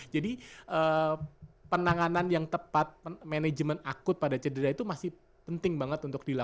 penanganan yang tepat manajemen akut pada cedera itu masih penting banget untuk dilakukan